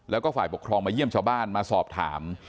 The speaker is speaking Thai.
แล้วก็ฝ่ายปกครองมาเยี่ยมชาวบ้านมาสอบถาม